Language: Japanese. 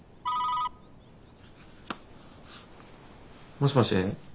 もしもし？